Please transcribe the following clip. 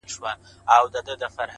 ته له قلف دروازې؛ یو خروار بار باسه؛